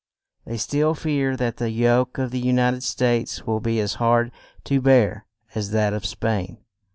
They still fear that the yoke of the U nit ed States will be as hard to bear as that of Spain.